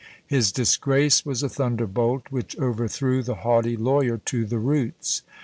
His disgrace was a thunderbolt, which overthrew the haughty lawyer to the roots.